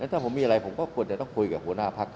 ถ้ามีอะไรผมก็ควรคุยกับหัวหน้าภักร์